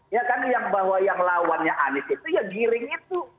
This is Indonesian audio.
ya kan yang bahwa yang lawannya anies itu ya giring itu